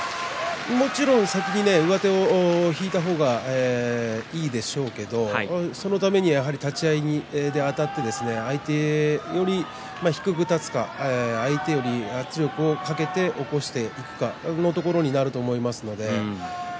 もちろん、先に上手を引いた方がいいんでしょうけれどもそのためにはやはり立ち合いあたって相手より低く立つか相手に圧力をかけて起こしていくかということになると思います。